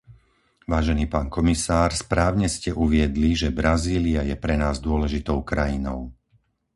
Vážený pán komisár, správne ste uviedli, že Brazília je pre nás dôležitou krajinou.